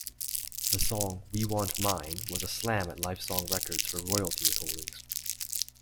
The song "We Want Mine" was a slam at Lifesong Records for royalty withholdings.